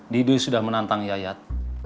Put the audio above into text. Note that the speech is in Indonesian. didu sudah menantang yayat